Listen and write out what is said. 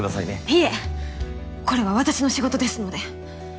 いえこれは私の仕事ですので。